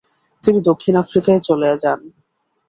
তিনি দক্ষিণ আফ্রিকায় চলে যান।